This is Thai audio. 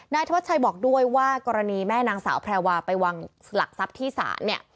ธวัดชัยบอกด้วยว่ากรณีแม่นางสาวแพรวาไปวางหลักทรัพย์ที่ศาลเนี่ย